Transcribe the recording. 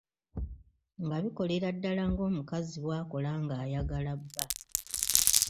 Nga bikolera ddala ng'omukazi bw'akola ng'ayagala bba.